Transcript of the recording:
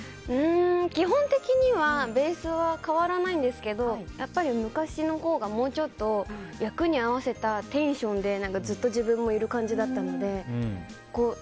基本的にはベースは変わらないんですけど昔のほうがもうちょっと役に合わせたテンションでずっと自分もいる感じだったので。